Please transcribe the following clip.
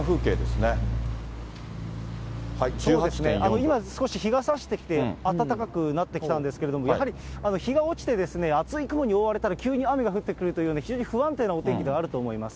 今少し、日がさしてきて、暖かくなってきたんですけれども、やはり日が落ちて、厚い雲に覆われたら、急に雨が降ってくるというような、非常に不安定なお天気ではあると思います。